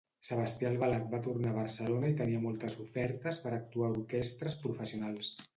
Sebastià Albalat va tornar a Barcelona i tenia moltes ofertes per actuar a orquestres professionals.